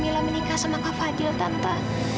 mika mila menikah sama kak fadil tante